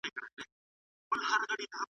ارغوان به غوړېدلی پر کابل وي .